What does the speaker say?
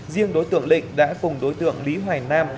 riêng đối tượng lịch đã cùng đối tượng lý hoài nam